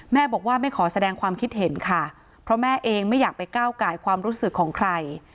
แม่บอกว่าไม่ขอแสดงความคิดเห็นค่ะเพราะแม่เองไม่อยากไปก้าวไก่ความรู้สึกของใคร